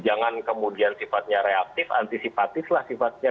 jangan kemudian sifatnya reaktif antisipatif lah sifatnya